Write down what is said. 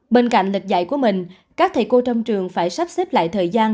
bên cạnh lịch dạy của mình các thầy cô trong trường phải sắp xếp lại thời gian